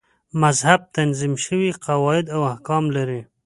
مذهب تنظیم شوي قواعد او احکام لري.